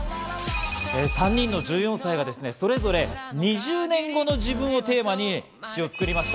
３人の１４歳がそれぞれ１０年後の自分をテーマに詩を作りました。